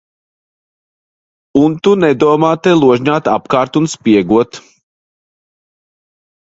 Un tu nedomā te ložņāt apkārt un spiegot.